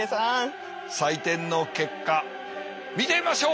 採点の結果見てみましょう！